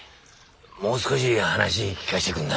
もう少し話聞かしてくんな。